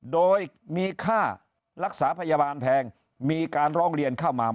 โดยมีค่ารักษาพยาบาลแพงมีการร้องเรียนเข้ามา